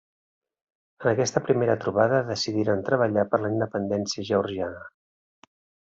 En aquesta primera trobada decidiren treballar per la independència georgiana.